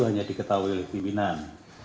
hanya diketahui oleh pimpinan